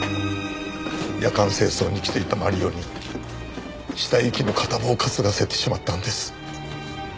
夜間清掃に来ていたマリオに死体遺棄の片棒を担がせてしまったんです。